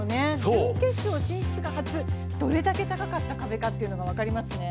準決勝進出が初、どれだけ高かった壁かが分かりますね。